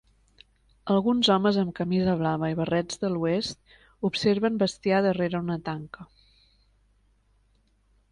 Alguns homes amb camisa blava i barrets de l'oest observen bestiar darrere una tanca.